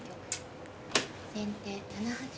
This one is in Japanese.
先手７八玉。